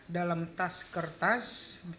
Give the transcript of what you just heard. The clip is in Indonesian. dalam tas kertas